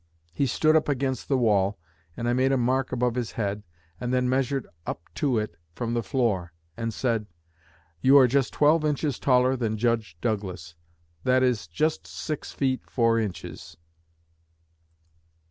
He stood up against the wall, and I made a mark above his head, and then measured up to it from the floor and said: 'You are just twelve inches taller than Judge Douglas; that is, just six feet four inches.'